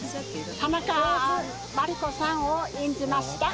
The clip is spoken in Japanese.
田中茉莉子さんを演じました。